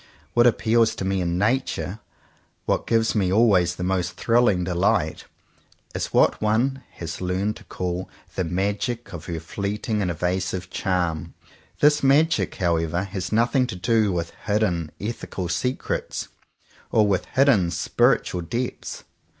What appeals to me in Nature, what gives me always the most thrilling delight, is what one has learned to call the magic of her fleeting and evasive charm. This magic," however, has nothing to do with hidden ethical secrets, or with hidden spiritual depths.